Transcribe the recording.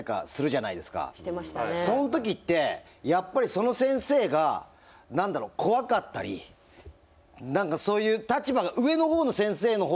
その時ってやっぱりその先生が何だろう怖かったり何かそういう立場が上の方の先生の方がウケやすくないですか？